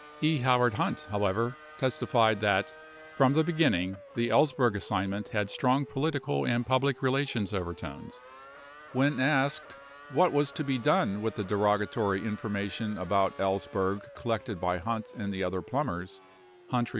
15 E. Howard Hunt, however, testified that from the beginning the Ellsberg assignment had strong political and public relations over tones. When asked what was to be done with the derogatory informa tion about Ellsberg collected by Hunt and the other Plumbers, Hunt replied : 0 9 Hearings 3786.